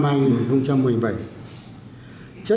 chất lượng tăng trưởng ngày càng được cải thiện